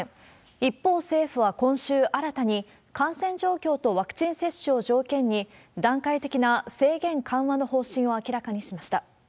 一方、政府は今週、新たに感染状況とワクチン接種を条件に、段階的な制限緩和の方針を明らかにしました。